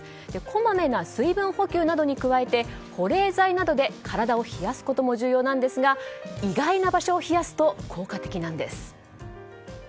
こまめな水分補給などに加えて保冷剤などで体を冷やすことも重要ですが意外な場所を冷やすと効果的なんです。